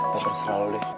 terus terang lu deh